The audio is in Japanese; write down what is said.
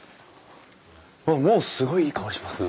うわっもうすごいいい香りしますね。